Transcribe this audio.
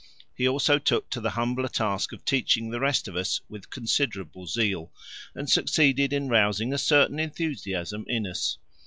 He also took to the humbler task of teaching the rest of us with considerable zeal, and succeeded in rousing a certain enthusiasm in us.